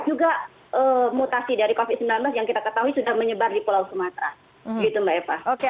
juga mutasi dari covid sembilan belas yang kita ketahui sudah menyebar di pulau sumatra